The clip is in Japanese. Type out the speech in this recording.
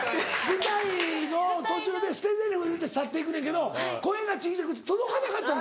舞台の途中で捨てゼリフ言うて去っていくねんけど声が小ちゃくて届かなかったの。